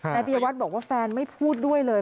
นายพิยาวัฒน์บอกว่าแฟนไม่พูดด้วยเลย